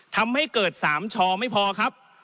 ทำให้เกิด๓ชอไม่พอครับ